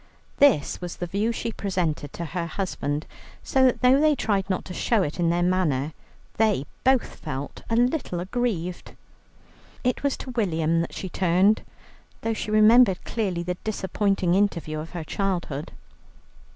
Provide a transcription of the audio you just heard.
This was the view she presented to her husband, so that though they tried not to show it in their manner, they both felt a little aggrieved. It was to William that she turned, though she remembered clearly the disappointing interview of her childhood.